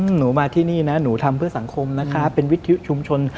หนูมาที่นี่นะหนูทำเพื่อสังคมนะคะเป็นวิทยุชุมชน